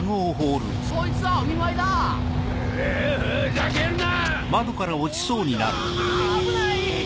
危ない！